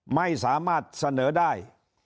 ไม่สามารถเสนอได้